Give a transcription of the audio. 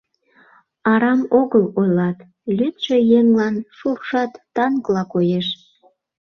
Арам огыл ойлат: лӱдшӧ еҥлан шуршат танкла коеш..